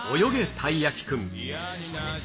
たいやきくん。